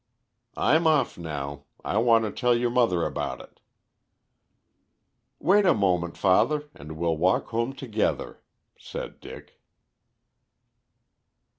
I'm off now; I want to tell your mother about it." "Wait a moment, father, and we'll walk home together," said Dick.